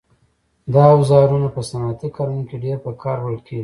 دا اوزارونه په صنعتي کارونو کې ډېر په کار وړل کېږي.